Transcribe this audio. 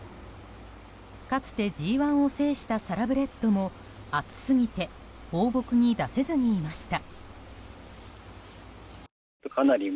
かつてＧ１を制したサラブレッドも暑すぎて放牧に出せずにいました。